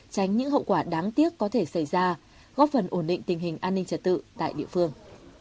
tránh những hậu quả đáng tiếc có thể xảy ra góp phần ổn định tình hình an ninh trật tự tại địa phương